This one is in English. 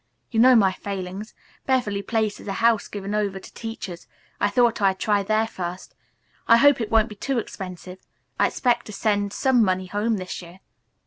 You know my failings. Beverly Place is a house given over to teachers. I thought I'd try there first. I hope it won't be too expensive. I expect to send some money home this year."